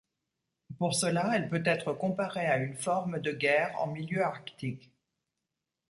Pour cela elle peut être comparée à une forme de guerre en milieu arctique.